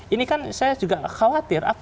ini kan saya juga khawatir